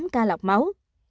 tám ca lọc máu